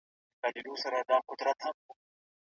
څوک د نورو په پرتله ډیر کړاو ویني؟